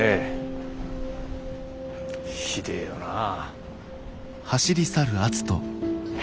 ひでえよなあ。